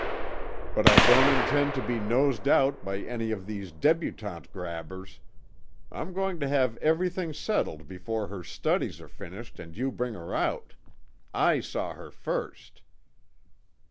But I don't intend to be nosed out by any of these debutante grabbers; I'm going to have everything settled before her studies are finished and you bring her out. I saw her first!"